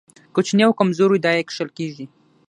کوچني او کمزوري دا يې کښل کېږي.